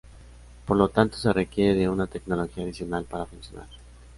Por lo tanto, se requiere de una tecnología adicional para funcionar.